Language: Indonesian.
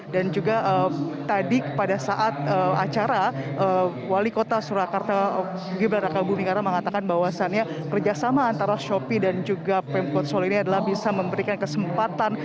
dan juga tadi pada saat acara wali kota surakarta gibril raka bumi karena mengatakan bahwasannya kerjasama antara shopee dan juga pemkot solo ini adalah bisa memberikan kesempatan